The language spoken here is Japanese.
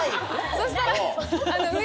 そしたら。